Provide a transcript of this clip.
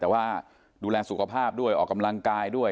แต่ว่าดูแลสุขภาพด้วยออกกำลังกายด้วย